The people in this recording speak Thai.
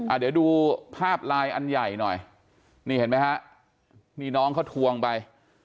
เดี๋ยวดูภาพไลน์อันใหญ่หน่อยนี่เห็นไหมฮะนี่น้องเขาทวงไป